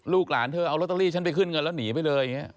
ลูกหลานเธอเอาร็อเตอรี่ฉันไปขึ้นเงินแล้วหนีไปเลย